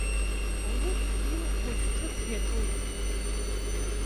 Лышә илхо зҿыц иаҿуп.